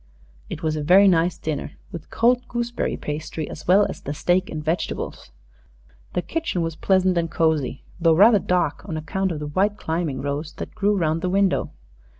It was a very nice dinner, with cold gooseberry pastry as well as the steak and vegetables. The kitchen was pleasant and cozy though rather dark, on account of the white climbing rose that grew round the window.